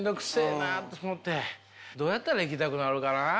どうやったら行きたくなるかな？